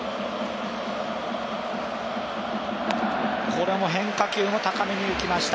これも変化球も高めに浮きました。